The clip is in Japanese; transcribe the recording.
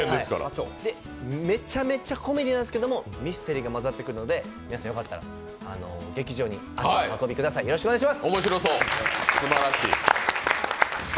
めちゃめちゃコメディーなんですけれども、ミステリーが混ざってくるので皆さん、よかったら劇場に足を運んでください、よろしくお願いします！